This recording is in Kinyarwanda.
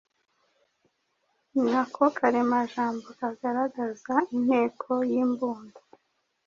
Ni na ko karemajambo kagaragaza inteko y’imbundo.